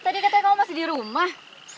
tadi katanya kalau masih di rumah